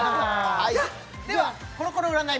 はいではコロコロ占い